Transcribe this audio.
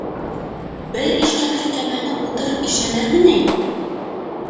Бер ишкәкле кәмәне ултырып ишәләрме ни?